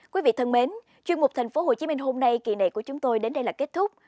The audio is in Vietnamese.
quý vị thân mến chuyên mục tp hcm hôm nay kỳ này của chúng tôi đến đây là kết thúc